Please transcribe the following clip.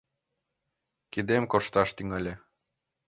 Кидем коршташ тӱҥале